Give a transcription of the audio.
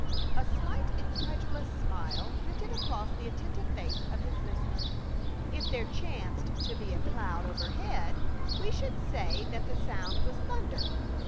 A slight incredulous smile flitted across the atten tive face of his listener, " If there chanced to be a cloud overhead, we should say that the sound was thunder."